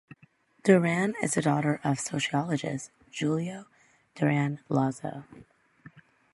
Durand is the daughter of the sociologist Julio Durand Lazo.